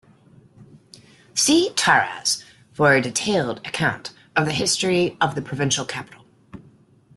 See Taraz for a detailed account of the history of the provincial capital.